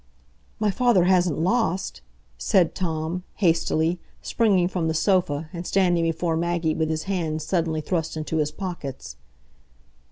"My father hasn't lost?" said Tom, hastily, springing from the sofa, and standing before Maggie with his hands suddenly thrust into his pockets.